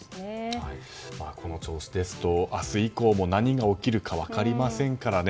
この調子ですと明日以降も何が起きるか分かりませんからね。